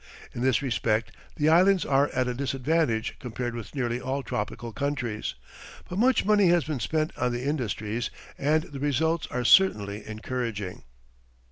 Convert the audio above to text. In this respect, the Islands are at a disadvantage compared with nearly all tropical countries, but much money has been spent on the industries, and the results are certainly encouraging.